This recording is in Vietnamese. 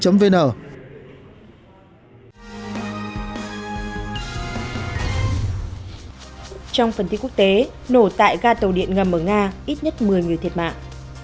trong phần tin quốc tế nổ tại ga tàu điện ngầm ở nga ít nhất một mươi người thiệt mạng